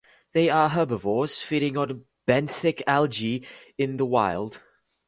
They are herbivorous, feeding on benthic algae in the wild.